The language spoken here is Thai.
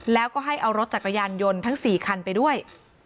แล้วก็ให้เอารถจักรยานยนต์ทั้ง๔คันไปด้วย